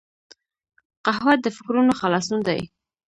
قهوه د فکرونو خلاصون دی